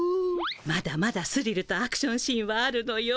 まだまだスリルとアクションシーンはあるのよ。